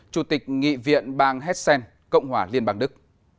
chủ tịch nghị viện bang hessen cộng hòa liên bang đức